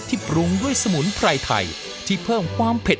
ปรุงด้วยสมุนไพรไทยที่เพิ่มความเผ็ด